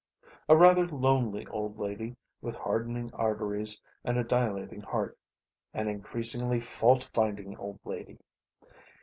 A rather lonely old lady, with hardening arteries and a dilating heart. An increasingly fault finding old lady.